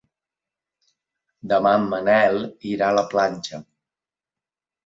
Demà en Manel irà a la platja.